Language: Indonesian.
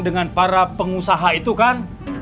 dengan para pengusaha itu kan